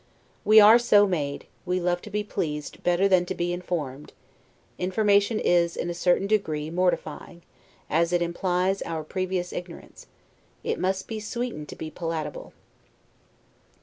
We are so made, we love to be pleased better than to be informed; information is, in a certain degree, mortifying, as it implies our previous ignorance; it must be sweetened to be palatable.